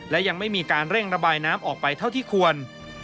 และยังไม่มีการเร่งระบายน้ำออกไปเท่าที่ควร